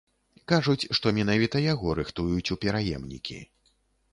Кажуць, што менавіта яго рыхтуюць у пераемнікі.